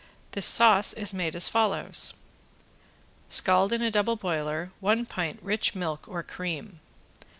This sauce is made as follows: Scald in a double boiler one pint rich milk or cream.